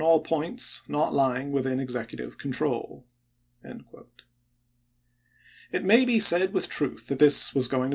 all points not lying within Executive control. It may be said with truth that this was going to Feb.